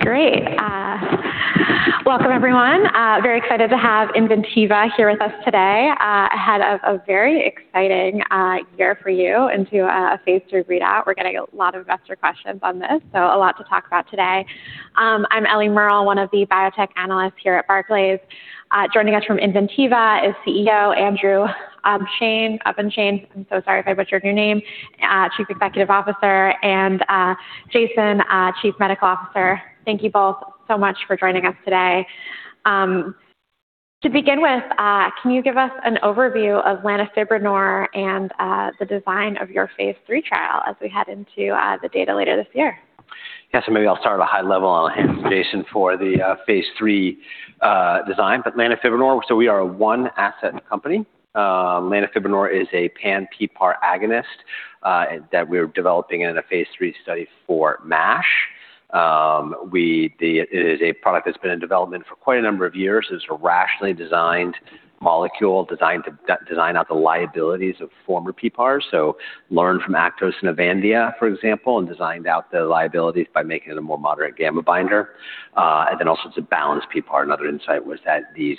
Great. Welcome everyone. Very excited to have Inventiva here with us today. Ahead of a very exciting year for you into a Phase III readout. We're getting a lot of investor questions on this, so a lot to talk about today. I'm Ellie Merle, one of the biotech analysts here at Barclays. Joining us from Inventiva is CEO Andrew Obenshain. Obenshain I'm so sorry if I butchered your name. Chief executive officer and Jason, chief medical officer. Thank you both so much for joining us today. To begin with, can you give us an overview of lanifibranor and the design of your Phase III trial as we head into the data later this year? Maybe I'll start at a high level and I'll Jason for the phase III design. Lanifibranor, we are a one-asset company. Lanifibranor is a pan-PPAR agonist that we're developing in a Phase III study for MASH. It is a product that's been in development for quite a number of years. It's a rationally designed molecule designed to design out the liabilities of former PPARs. Learn from Actos and Avandia, for example, and designed out the liabilities by making it a more moderate gamma binder, and then also to balance PPAR. Another insight was that these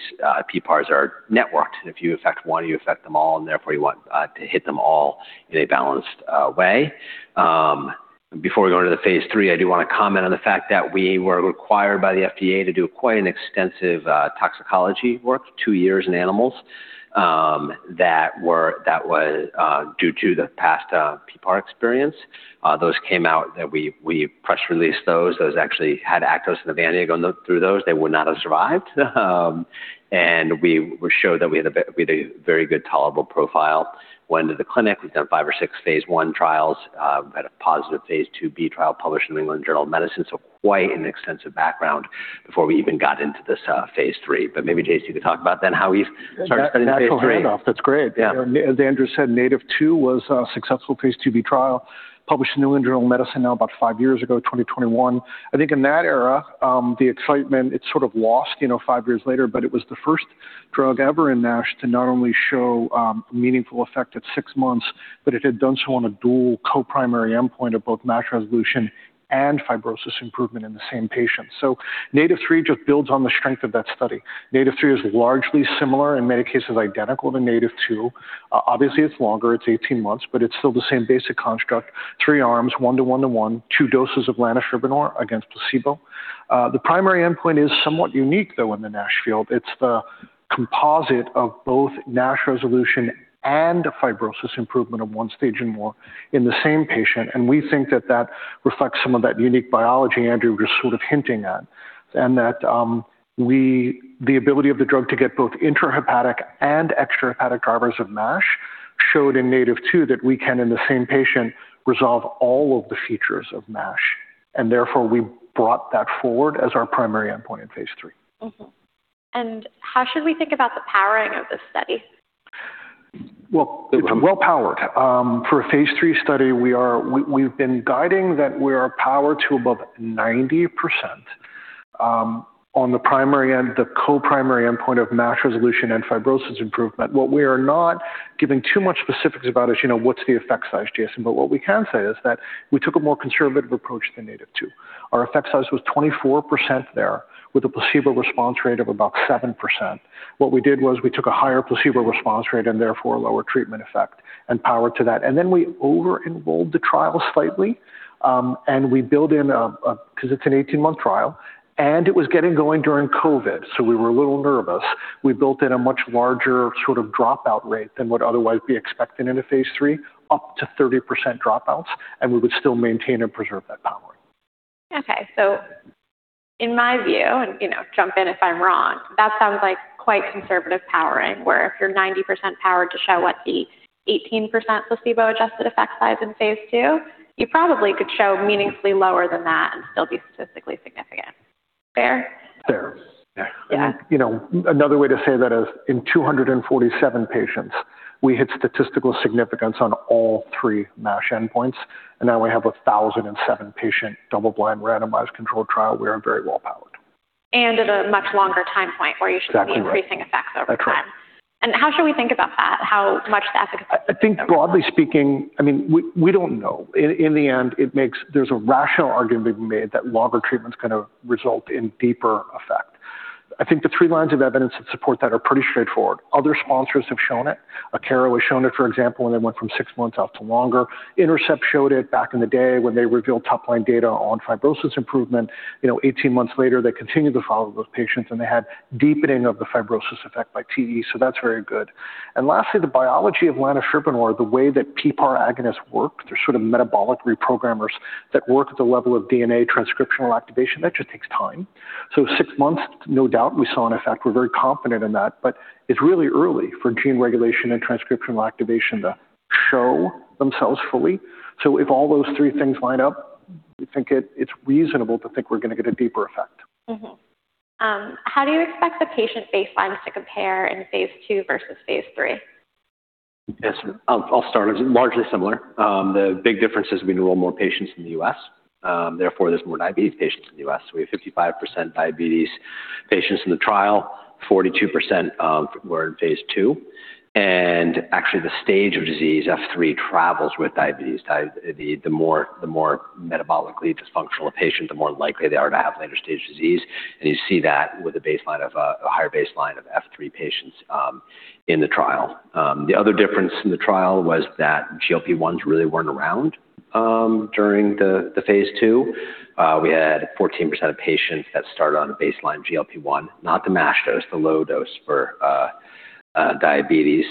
PPARs are networked, and if you affect one, you affect them all, and therefore you want to hit them all in a balanced way. Before we go into the Phase III, I do wanna comment on the fact that we were required by the FDA to do quite an extensive toxicology work, two years in animals, that was due to the past PPAR experience. Those came out that we press-released those. Those actually had Actos (pioglitazone). They would not have survived. We showed that we had a very good tolerable profile. Went into the clinic. We've done five or six Phase I trials, had a positive Phase IIB trial published in the New England Journal of Medicine. Quite an extensive background before we even got into this Phase III. Jason could talk about then how we've started studying Phase III. Natural handoff. That's great. Yeah. Andrew said, NATIVE 2 was a successful Phase IIB trial, published in the New England Journal of Medicine now about five years ago, 2021. I think in that era, the excitement, it's sort of lost, you know, five years later, but it was the first drug ever in NASH to not only show meaningful effect at six months, but it had done so on a dual co-primary endpoint of both NASH resolution and fibrosis improvement in the same patient. NATiV3 just builds on the strength of that study. NATiV3 is largely similar, in many cases, identical to NATIVE 2. Obviously, it's longer, it's 18 months, but it's still the same basic construct, three arms, one-to-one to one, two doses of lanifibranor against placebo. The primary endpoint is somewhat unique, though, in the NASH field. It's the composite of both NASH resolution and fibrosis improvement of one stage and more in the same patient. We think that reflects some of that unique Andrew was sort of hinting at, and that, the ability of the drug to get both intrahepatic and extrahepatic drivers of MASH showed in NATIVE 2 that we can, in the same patient, resolve all of the features of MASH. Therefore, we brought that forward as our primary endpoint in Phase III. How should we think about the powering of this study? Well, it's well-powered. For a Phase III study, we've been guiding that we are powered to above 90%, on the co-primary endpoint of MASH resolution and fibrosis improvement. What we are not giving too much specifics about is, you know, what's the effect Jason, but what we can say is that we took a more conservative approach than NATIVE 2. Our effect size was 24% there with a placebo response rate of about 7%. What we did was we took a higher placebo response rate and therefore a lower treatment effect and powered to that. Then we over-enrolled the trial slightly, and we build in a 'cause it's an 18-month trial, and it was getting going during COVID, so we were a little nervous. We built in a much larger sort of dropout rate than what otherwise be expected in a Phase III, up to 30% dropouts, and we would still maintain and preserve that power. Okay. In my view, and, you know, jump in if I'm wrong, that sounds like quite conservative powering, where if you're 90% powered to show, what, the 18% placebo-adjusted effect size in Phase II, you probably could show meaningfully lower than that and still be statistically significant. Fair? Fair. Yeah. Yeah. You know, another way to say that is in 247 patients, we hit statistical significance on all three MASH endpoints, and now we have a 1,007 patient double-blind randomized controlled trial. We are very well-powered. At a much longer time point where you should. Exactly right. increasing effects over time. That's right. How should we think about that, how much the effect? I think broadly speaking, I mean, we don't know. In the end, there's a rational argument to be made that longer treatments kinda result in deeper effect. I think the three lines of evidence that support that are pretty straightforward. Other sponsors have shown it. Akero has shown it, for example, when they went from six months out to longer. Intercept showed it back in the day when they revealed top-line data on fibrosis improvement. You know, 18 months later, they continued to follow those patients, and they had deepening of the fibrosis effect by TE, so that's very good. Lastly, the biology of lanifibranor, the way that PPAR agonists work, they're sort of metabolic reprogrammers that work at the level of DNA transcriptional activation, that just takes time. six months, no doubt we saw an effect. We're very confident in that, but it's really early for gene regulation and transcriptional activation to show themselves fully. If all those three things line up, we think it's reasonable to think we're gonna get a deeper effect. How do you expect the patient baselines to compare in Phase II versus phase three? Yes. I'll start. It's largely similar. The big difference is we enroll more patients in the U.S. Therefore, there's more diabetes patients in the U.S. We have 55% diabetes patients in the trial, 42% were in Phase II. Actually, the stage of disease, F3, travels with diabetes. The more metabolically dysfunctional a patient, the more likely they are to have later-stage disease. You see that with a higher baseline of F3 patients in the trial. The other difference in the trial was that GLP-1s really weren't around during the Phase II. We had 14% of patients that started on a baseline GLP-1, not the MASH dose, the low dose for diabetes.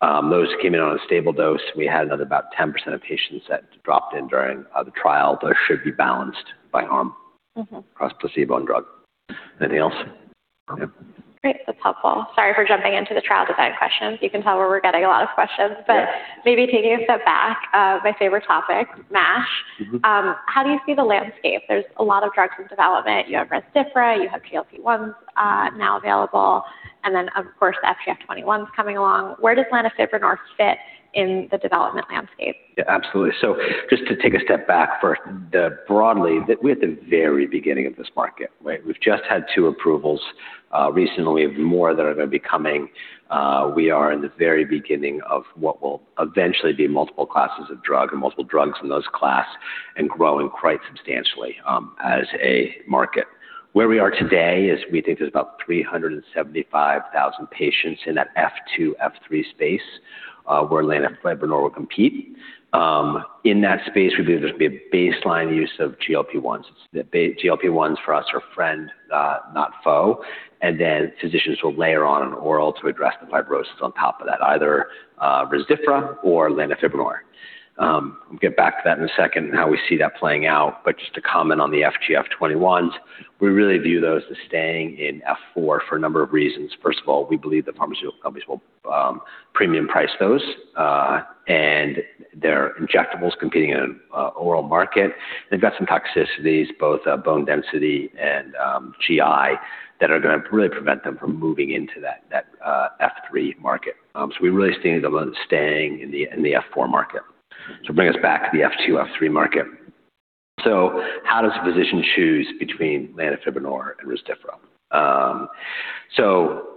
Those came in on a stable dose. We had another about 10% of patients that dropped out during the trial, but it should be balanced by arm. Mm-hmm. across placebo and drug. Anything else? Okay. Great. That's helpful. Sorry for jumping into the trial design questions. You can tell where we're getting a lot of questions. Yeah. Maybe taking a step back, my favorite topic, MASH. Mm-hmm. How do you see the landscape? There's a lot of drugs in development. You have Rezdiffra, you have GLP-1s, now available, and then, of course, FGF-21's coming along. Where does lanifibranor fit in the development landscape? Yeah, absolutely. Just to take a step back first, broadly, we're at the very beginning of this market, right? We've just had two approvals recently, more that are gonna be coming. We are in the very beginning of what will eventually be multiple classes of drug and multiple drugs in those class and growing quite substantially, as a market. Where we are today is we think there's about 375,000 patients in that F2, F3 space, where lanifibranor will compete. In that space, we believe there's gonna be a baseline use of GLP-1s. GLP-1s for us are friend, not foe, and then physicians will layer on an oral to address the fibrosis on top of that, either Rezdiffra or lanifibranor. We'll get back to that in a second and how we see that playing out. Just to comment on the FGF-21s, we really view those as staying in F4 for a number of reasons. First of all, we believe the pharmaceutical companies will premium price those, and they're injectables competing in an oral market. They've got some toxicities, both bone density and GI that are gonna really prevent them from moving into that F3 market. We really see them staying in the F4 market. Bring us back to the F2, F3 market. How does a physician choose between lanifibranor and Rezdiffra?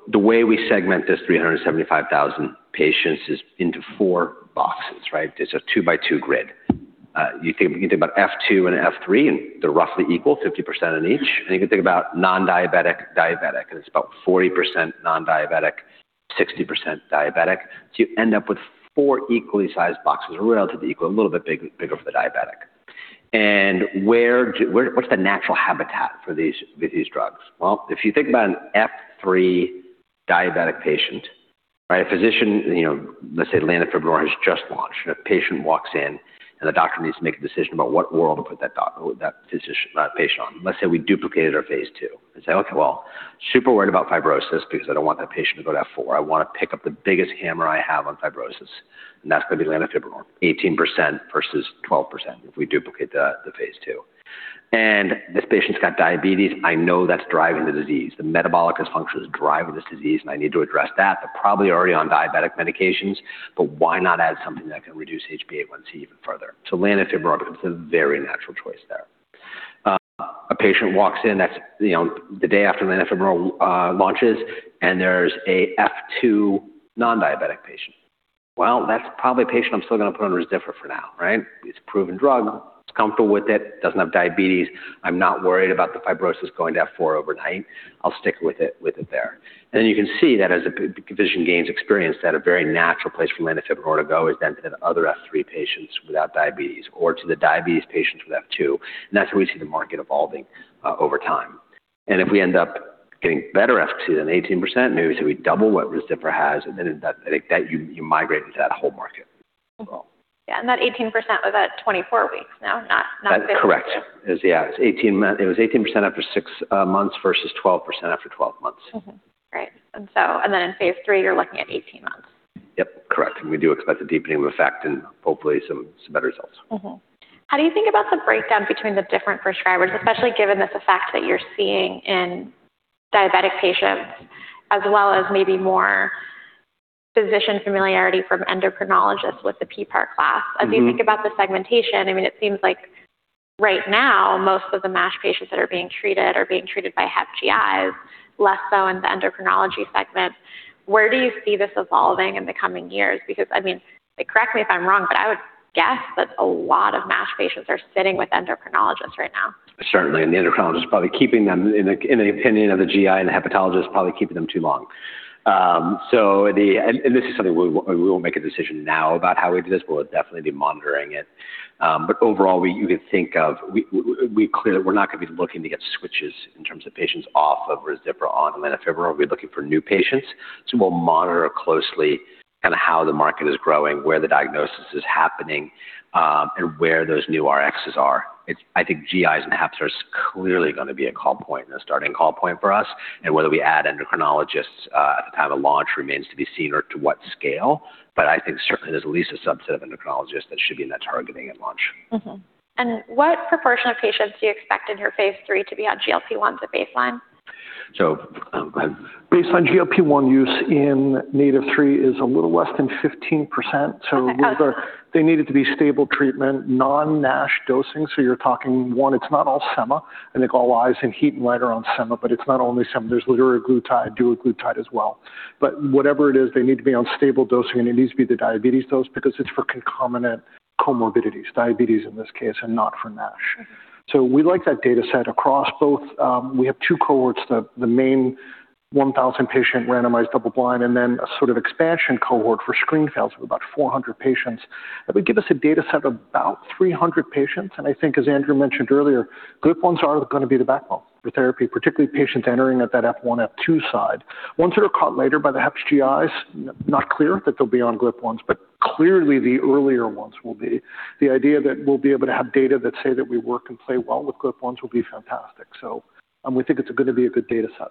The way we segment this 375,000 patients is into four boxes, right? It's a two-by-two grid. You can think about F2 and F3, and they're roughly equal, 50% in each. You can think about non-diabetic, diabetic, and it's about 40% non-diabetic, 60% diabetic. You end up with four equally sized boxes, relatively equal, a little bit bigger for the diabetic. Where, what's the natural habitat for these drugs? Well, if you think about an F3 diabetic patient, right, a physician, you know, let's say lanifibranor has just launched, and a patient walks in, and the doctor needs to make a decision about what oral to put that physician, that patient on. Let's say we duplicated our Phase II and say, "Okay, well, super worried about fibrosis because I don't want that patient to go to F4. I wanna pick up the biggest hammer I have on fibrosis, and that's gonna be lanifibranor, 18% versus 12% if we duplicate the Phase II. This patient's got diabetes. I know that's driving the disease. The metabolic dysfunction is driving this disease, and I need to address that. They're probably already on diabetic medications, but why not add something that can reduce HbA1c even further? Lanifibranor becomes a very natural choice there. A patient walks in that's, you know, the day after lanifibranor launches, and there's a F2 non-diabetic patient. Well, that's probably a patient I'm still gonna put on Rezdiffra for now, right? It's a proven drug. He's comfortable with it, doesn't have diabetes. I'm not worried about the fibrosis going to F4 overnight. I'll stick with it there. You can see that as a physician gains experience, that a very natural place for lanifibranor to go is then to the other F3 patients without diabetes or to the diabetes patients with F2, and that's where we see the market evolving over time. If we end up getting better efficacy than 18%, maybe we double what Rezdiffra has, and then that you migrate into that whole market. Mm-hmm. Yeah, that 18% was at 24 weeks, no? That's correct. It was 18% after six months versus 12% after twelve months. In phase three, you're looking at 18 months. Yep, correct. We do expect a deepening of effect and hopefully some better results. How do you think about the breakdown between the different prescribers, especially given this effect that you're seeing in diabetic patients as well as maybe more physician familiarity from endocrinologists with the PPAR class? Mm-hmm. As you think about the segmentation, I mean, it seems like right now most of the MASH patients that are being treated are being treated by Hep/GIs, less so in the endocrinology segment. Where do you see this evolving in the coming years? Because, I mean, correct me if I'm wrong, but I would guess that a lot of MASH patients are sitting with endocrinologists right now. Certainly, the endocrinologist is probably keeping them in the opinion of the GI and the hepatologist, probably keeping them too long. This is something we won't make a decision now about how we do this, but we'll definitely be monitoring it. Overall, we're not gonna be looking to get switches in terms of patients off of Rezdiffra on lanifibranor. We're looking for new patients. We'll monitor closely kinda how the market is growing, where the diagnosis is happening, and where those new Rx are. I think GIs and heps are clearly gonna be a call point, a starting call point for us, and whether we add endocrinologists at the time of launch remains to be seen or to what scale. I think certainly there's at least a subset of endocrinologists that should be in that targeting at launch. Mm-hmm. What proportion of patients do you expect in your Phase III to be on GLP-1s at baseline? Based on GLP-1 use in NATiV3 is a little less than 15%. They needed to be stable treatment, non-NASH dosing. You're talking one, it's not all SEMA, and they've got all eyes and heat and light around SEMA, but it's not only SEMA. There's liraglutide, dulaglutide as well. Whatever it is, they need to be on stable dosing, and it needs to be the diabetes dose because it's for concomitant comorbidities, diabetes in this case, and not for NASH. We like that data set across both. We have two cohorts, the main 1000-patient randomized, double-blind, and then a sort of expansion cohort for screen fails of about 400 patients. That would give us a data set of about 300 patients. I think Andrew mentioned earlier, GLP-1s are gonna be the backbone for therapy, particularly patients entering at that F1, F2 side. Ones that are caught later by the heps, GIs, not clear that they'll be on GLP-1s, but clearly the earlier ones will be. The idea that we'll be able to have data that say that we work and play well with GLP-1s will be fantastic. We think it's gonna be a good data set.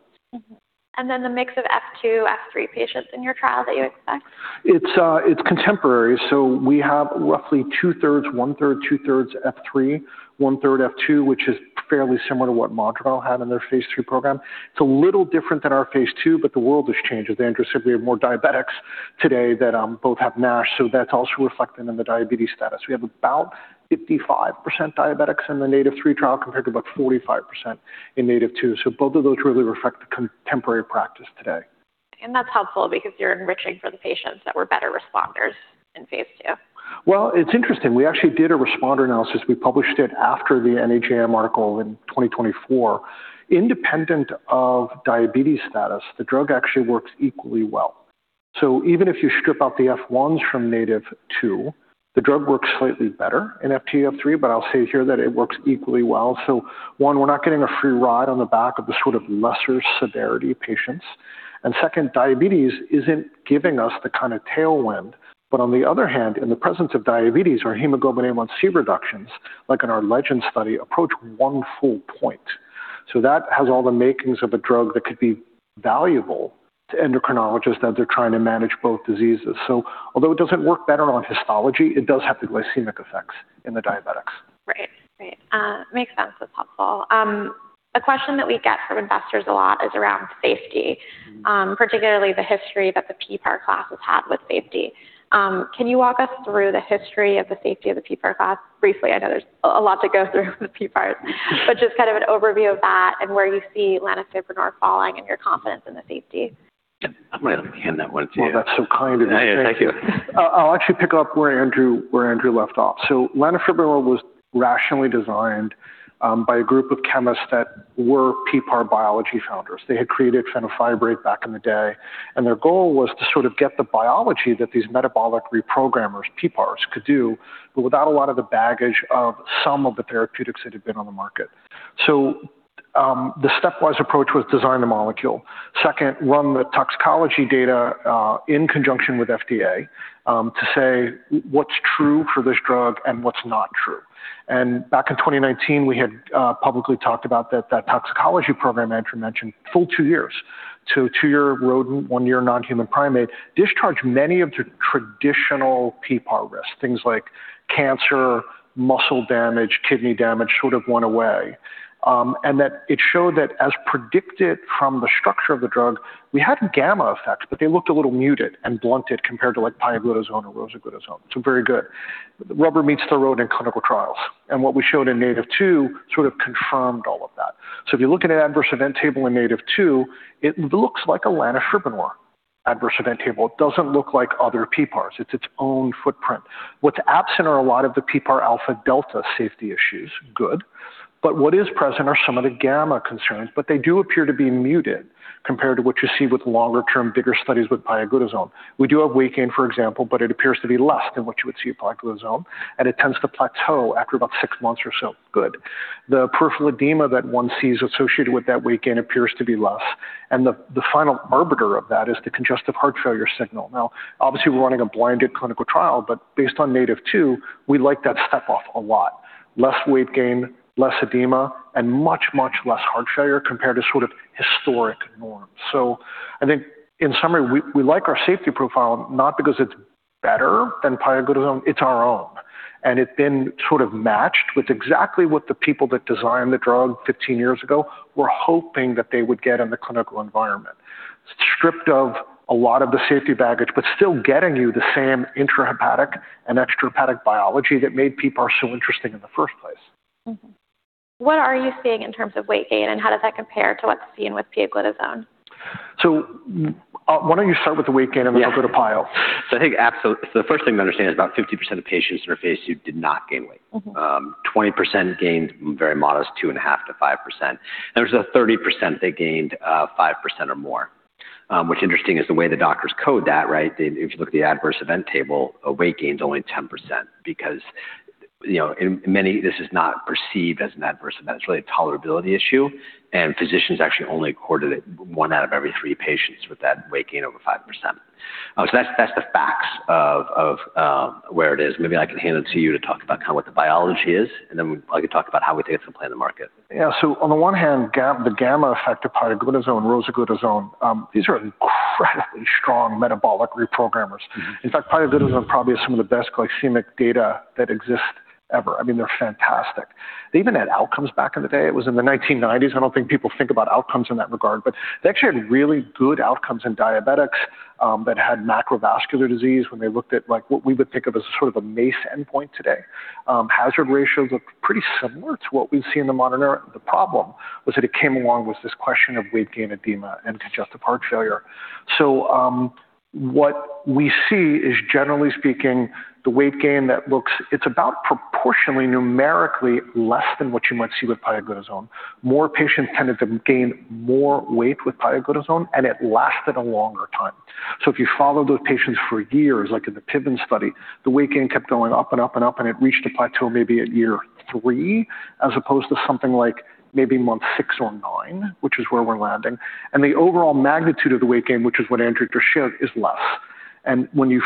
The mix of F2, F3 patients in your trial that you expect? It's contemporary, so we have roughly two-thirds, one-third, two-thirds F3, one-third F2, which is fairly similar to what Madrigal had in their Phase III program. It's a little different than our Phase II, but the world has changed. As Andrew said, we have more diabetics today that both have NASH, so that's also reflected in the diabetes status. We have about 55% diabetics in the NATiV3 trial compared to about 45% in NATIVE 2. Both of those really reflect the contemporary practice today. That's helpful because you're enriching for the patients that were better responders in Phase II. Well, it's interesting. We actually did a responder analysis. We published it after the NEJM article in 2024. Independent of diabetes status, the drug actually works equally well. Even if you strip out the F1s from NATIVE 2, the drug works slightly better in F2, F3, but I'll say here that it works equally well. One, we're not getting a free ride on the back of the sort of lesser severity patients. Second, diabetes isn't giving us the kinda tailwind. On the other hand, in the presence of diabetes or hemoglobin A1c reductions, like in our LEGEND study, approach one full point. That has all the makings of a drug that could be valuable to endocrinologists as they're trying to manage both diseases. Although it doesn't work better on histology, it does have the glycemic effects in the diabetics. Right. Makes sense. That's helpful. A question that we get from investors a lot is around safety- Mm-hmm. Particularly the history that the PPAR class has had with safety. Can you walk us through the history of the safety of the PPAR class briefly? I know there's a lot to go through with PPARs. Just kind of an overview of that and where you see lanifibranor falling and your confidence in the safety. Yeah. I'm gonna hand that one to you. Well, that's so kind of you. Yeah. Thank you. I'll actually pick up where Andrew left off. Lanifibranor was rationally designed by a group of chemists that were PPAR biology founders. They had created fenofibrate back in the day, and their goal was to sort of get the biology that these metabolic reprogrammers, PPARs, could do, but without a lot of the baggage of some of the therapeutics that had been on the market. The stepwise approach was design the molecule. Second, run the toxicology data in conjunction with FDA to say what's true for this drug and what's not true. Back in 2019, we had publicly talked about that toxicology program Andrew mentioned, full two years. two-year rodent, one-year non-human primate, discharge many of the traditional PPAR risks. Things like cancer, muscle damage, kidney damage sort of went away. That it showed that as predicted from the structure of the drug, we had gamma effects, but they looked a little muted and blunted compared to, like, pioglitazone or rosiglitazone. Very good. Rubber meets the road in clinical trials. What we showed in NATIVE 2 sort of confirmed all of that. If you look at an adverse event table in NATIVE 2, it looks like a lanifibranor adverse event table. It doesn't look like other PPARs. It's its own footprint. What's absent are a lot of the PPAR-alpha delta safety issues. Good. What is present are some of the gamma concerns, but they do appear to be muted compared to what you see with longer term, bigger studies with pioglitazone. We do have weight gain, for example, but it appears to be less than what you would see with pioglitazone, and it tends to plateau after about six months or so. Good. The peripheral edema that one sees associated with that weight gain appears to be less. The final arbiter of that is the congestive heart failure signal. Now, obviously, we're running a blinded clinical trial, but based on NATIVE 2, we like that step off a lot. Less weight gain, less edema, and much, much less heart failure compared to sort of historic norms. I think in summary, we like our safety profile not because it's better than pioglitazone, it's our own. It then sort of matched with exactly what the people that designed the drug fifteen years ago were hoping that they would get in the clinical environment. Stripped of a lot of the safety baggage, but still getting you the same intrahepatic and extrahepatic biology that made PPAR so interesting in the first place. What are you seeing in terms of weight gain, and how does that compare to what's seen with pioglitazone? Why don't you start with the weight gain. Yeah. I'll go to pio. I think absolutely. The first thing to understand is about 50% of patients in our Phase II did not gain weight. Mm-hmm. 20% gained very modest 2.5%-5%. There's a 30% they gained 5% or more. What's interesting is the way the doctors code that, right? If you look at the adverse event table, a weight gain is only 10% because, you know, in many, this is not perceived as an adverse event. It's really a tolerability issue, and physicians actually only recorded it one out of every three patients with that weight gain over 5%. So that's the facts of where it is. Maybe I can hand it to you to talk about kinda what the biology is, and then I could talk about how we think it's gonna play in the market. Yeah. On the one hand, the gamma effect of pioglitazone, rosiglitazone, these are incredibly strong metabolic reprogrammers. Mm-hmm. In fact, pioglitazone probably has some of the best glycemic data that exists ever. I mean, they're fantastic. They even had outcomes back in the day. It was in the 1990s. I don't think people think about outcomes in that regard, but they actually had really good outcomes in diabetics that had macrovascular disease when they looked at, like, what we would think of as sort of a MACE endpoint today. Hazard ratios look pretty similar to what we see in the modern. The problem was that it came along with this question of weight gain, edema and congestive heart failure. What we see is, generally speaking, the weight gain that looks, it's about proportionally numerically less than what you might see with pioglitazone. More patients tended to gain more weight with pioglitazone, and it lasted a longer time. If you follow those patients for years, like in the PIVENS study, the weight gain kept going up and up and up, and it reached a plateau maybe at year three, as opposed to something like maybe month six or nine, which is where we're landing. The overall magnitude of the weight gain, which is Andrew just shared, is less. When you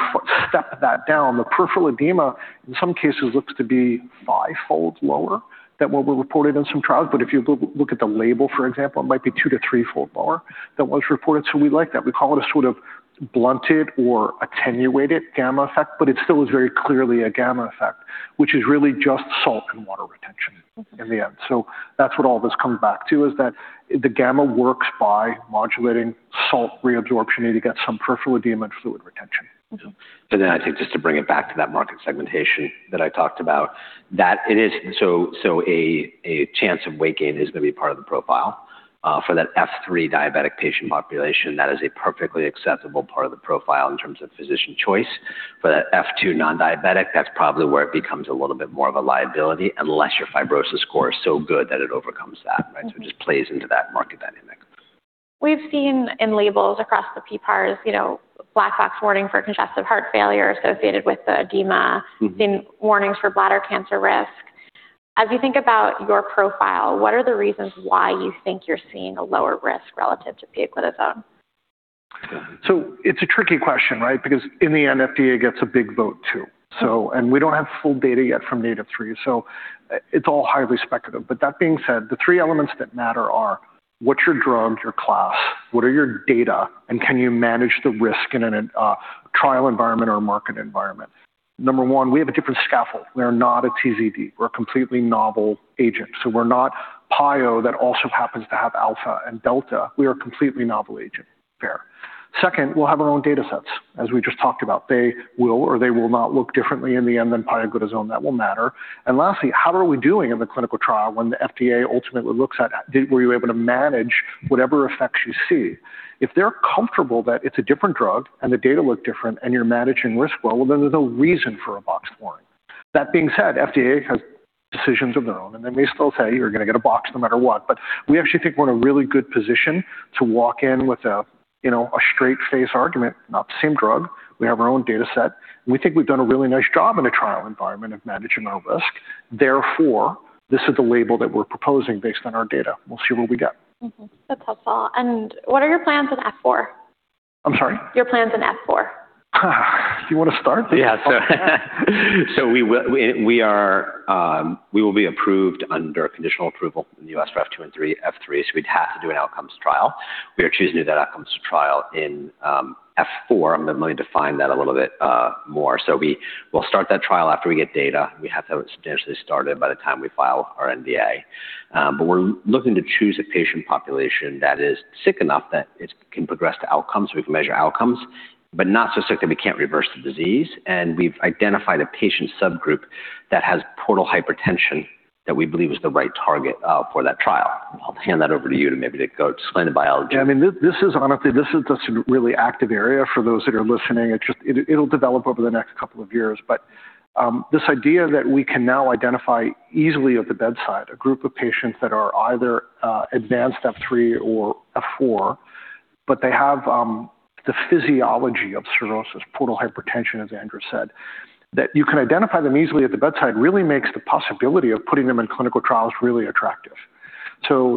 step that down, the peripheral edema, in some cases, looks to be five-fold lower than what we reported in some trials. If you go look at the label, for example, it might be two to three-fold lower than what was reported. We like that. We call it a sort of blunted or attenuated gamma effect, but it still is very clearly a gamma effect, which is really just salt and water retention in the end. That's what all this comes back to, is that the gamma works by modulating salt reabsorption, and you get some peripheral edema and fluid retention. Mm-hmm. I think just to bring it back to that market segmentation that I talked about, a chance of weight gain is going to be part of the profile. For that F3 diabetic patient population, that is a perfectly acceptable part of the profile in terms of physician choice. For that F2 non-diabetic, that's probably where it becomes a little bit more of a liability unless your fibrosis score is so good that it overcomes that, right? It just plays into that market dynamic. We've seen in labels across the PPARs, you know, black box warning for congestive heart failure associated with the edema. Mm-hmm. We've seen warnings for bladder cancer risk. As you think about your profile, what are the reasons why you think you're seeing a lower risk relative to pioglitazone? It's a tricky question, right? Because in the end, FDA gets a big vote, too. We don't have full data yet from NATiV3, so it's all highly speculative. That being said, the three elements that matter are what's your drug, your class, what are your data, and can you manage the risk in a trial environment or market environment? Number one, we have a different scaffold. We are not a TZD. We're a completely novel agent. We're not pio that also happens to have alpha and delta. We're a completely novel agent there. Second, we'll have our own data sets, as we just talked about. They will or they will not look differently in the end than pioglitazone. That will matter. Lastly, how are we doing in the clinical trial when the FDA ultimately looks at, were you able to manage whatever effects you see? If they're comfortable that it's a different drug and the data look different and you're managing risk well, then there's no reason for a box warning. That being said, FDA has decisions of their own, and they may still say, "You're going to get a box no matter what." We actually think we're in a really good position to walk in with a, you know, a straight-faced argument. Not the same drug. We have our own data set. We think we've done a really nice job in a trial environment of managing our risk. Therefore, this is the label that we're proposing based on our data. We'll see what we get. That's helpful. What are your plans in F4? I'm sorry? Your plans in F4. Do you want to start? We will be approved under conditional approval in the U.S. for F2 and F3, so we'd have to do an outcomes trial. We are choosing to do that outcomes trial in F4. I'm going to maybe define that a little bit more. We will start that trial after we get data. We have to have it substantially started by the time we file our NDA. We're looking to choose a patient population that is sick enough that it can progress to outcomes, we can measure outcomes, but not so sick that we can't reverse the disease. We've identified a patient subgroup that has portal hypertension that we believe is the right target for that trial. I'll hand that over to you to maybe go explain the biology. Yeah. I mean, this is honestly, this is the really active area for those that are listening. It'll develop over the next couple of years. This idea that we can now identify easily at the bedside a group of patients that are either advanced F3 or F4, but they have the physiology of cirrhosis, portal hypertension, Andrew Obenshain said. That you can identify them easily at the bedside really makes the possibility of putting them in clinical trials really attractive.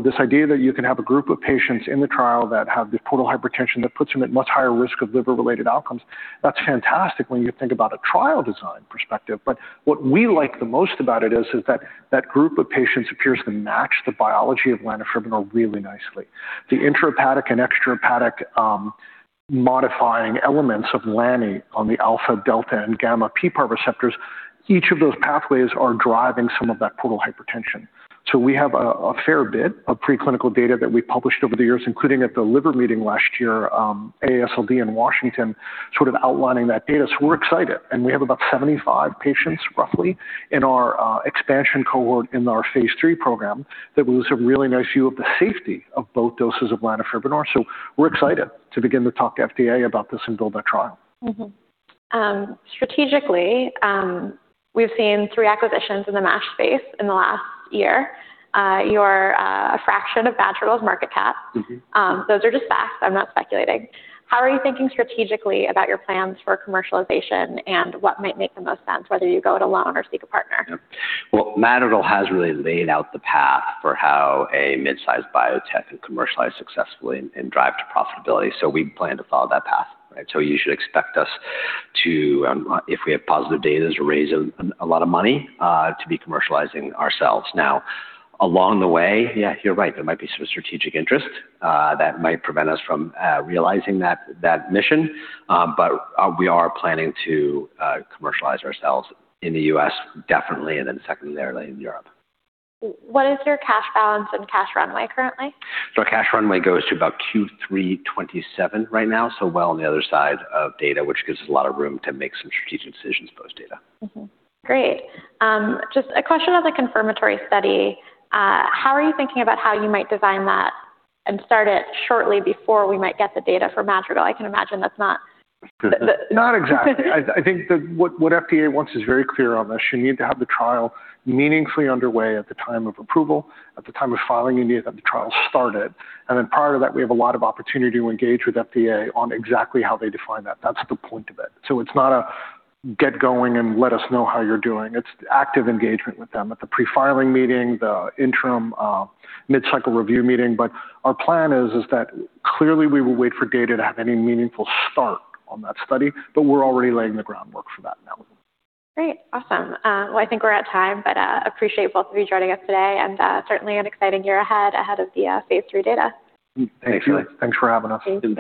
This idea that you can have a group of patients in the trial that have the portal hypertension that puts them at much higher risk of liver-related outcomes, that's fantastic when you think about a trial design perspective. What we like the most about it is that that group of patients appears to match the biology of lanifibranor really nicely. The intrahepatic and extrahepatic modifying elements of lanifibranor on the alpha, delta, and gamma PPAR receptors, each of those pathways are driving some of that portal hypertension. We have a fair bit of preclinical data that we published over the years, including at The Liver Meeting last year, AASLD in Washington, sort of outlining that data. We're excited, and we have about 75 patients roughly in our expansion cohort in our Phase III program that was a really nice view of the safety of both doses of lanifibranor. We're excited to begin to talk to FDA about this and build that trial. Strategically, we've seen three acquisitions in the MASH space in the last year. You're a fraction of Madrigal's market cap. Mm-hmm. Those are just facts. I'm not speculating. How are you thinking strategically about your plans for commercialization and what might make the most sense, whether you go it alone or seek a partner? Well, Madrigal has really laid out the path for how a mid-sized biotech can commercialize successfully and drive to profitability. We plan to follow that path, right? You should expect us to, if we have positive data, raise a lot of money to be commercializing ourselves. Now, along the way, yeah, you're right, there might be some strategic interest that might prevent us from realizing that mission. We are planning to commercialize ourselves in the U.S. definitely, and then secondarily in Europe. What is your cash balance and cash runway currently? Our cash runway goes to about Q3 2027 right now, so well on the other side of data, which gives us a lot of room to make some strategic decisions post-data. Mm-hmm. Great. Just a question on the confirmatory study. How are you thinking about how you might design that and start it shortly before we might get the data for Madrigal? I can imagine that's not exactly. I think what FDA wants is very clear on this. You need to have the trial meaningfully underway at the time of approval. At the time of filing, you need to have the trial started. Then prior to that, we have a lot of opportunity to engage with FDA on exactly how they define that. That's the point of it. It's not a get going and let us know how you're doing. It's active engagement with them at the pre-filing meeting, the interim mid-cycle review meeting. Our plan is that clearly we will wait for data to have any meaningful start on that study, but we're already laying the groundwork for that now. Great. Awesome. Well, I think we're at time, but appreciate both of you joining us today and certainly an exciting year ahead of the Phase III data. Thanks. Thanks for having us.